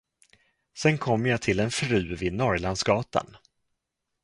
Sen kom jag till en fru vid Norrlandsgatan.